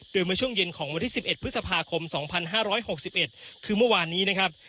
โดยเมื่อช่วงเย็นของวันที่๑๑พฤษภาคม๒๕๖๑คือเมื่อวานนี้นะครับ